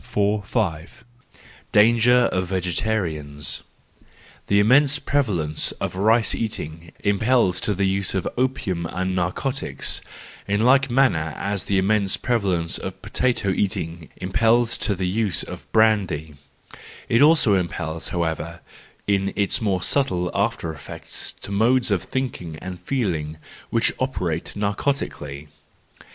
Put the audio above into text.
145 Danger of Vegetarians. — The immense pre¬ valence of rice eating impels to the use of opium and narcotics, in like manner as the immense prevalence of potato eating impels to the use of brandy:—it also impels, however, in its more subtle after effects to modes of thought and feeling which operate narcotically.